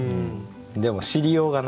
でも知りようがないので。